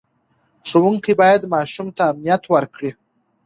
ښوونکي باید ماشوم ته امنیت ورکړي.